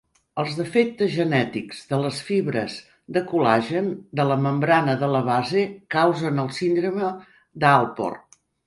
Els defectes genètics de les fibres de col·lagen de la membrana de la base causen la síndrome d'Alport.